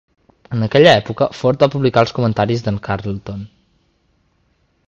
En aquella època, Ford va publicar els comentaris de"n Carlton.